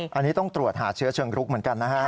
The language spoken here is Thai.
อันนี้ต้องตรวจหาเชื้อเชิงรุกเหมือนกันนะฮะ